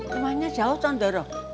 rumahnya jauh tante rono